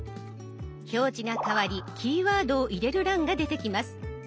表示が変わりキーワードを入れる欄が出てきます。